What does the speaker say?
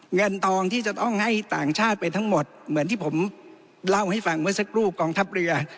เงินทองที่จะต้องให้ต่างชาติไปทั้งหมดเหมือนที่ผมเล่าให้ฟังเมื่อสักครู่กองทัพเรือ